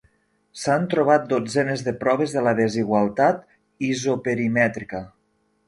S'han trobat dotzenes de proves de la desigualtat isoperimètrica.